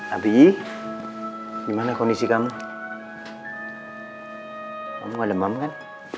abi gimana kondisi kamu kamu gak demam kan